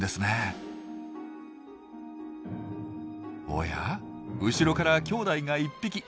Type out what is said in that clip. おや後ろからきょうだいが１匹。